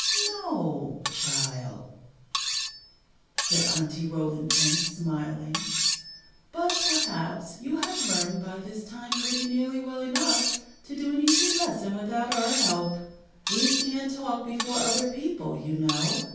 "No, child," said Aunty Rolling Pin, smiling; "but perhaps you have learned by this time pretty nearly well enough to do an easy lesson without our help. We can't talk before other people, you know.